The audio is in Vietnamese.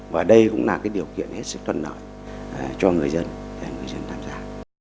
và đây cũng là điều kiện hết sức thuận lợi cho người dân và người dân tham gia